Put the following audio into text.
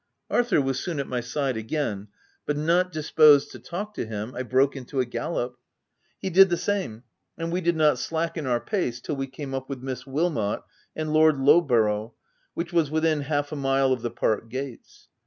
Arthur was soon at my side again ; but not disposed to talk to him, I broke into a gallop. He did the same ; and we did not slacken our pace till we came up with Miss Wilmot and Lord Lowborough, which was within half a mile of the park gates.